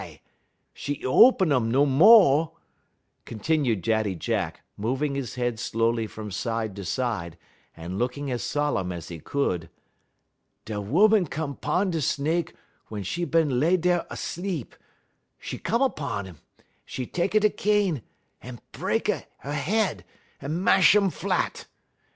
'E y open um no mo'," continued Daddy Jack, moving his head slowly from side to side, and looking as solemn as he could. "Da ooman come 'pon de snake wun 'e bin lay dar 'sleep; 'e come 'pon 'im, un 'e tekky da cane un bre'k 'e head, 'e mash um flat.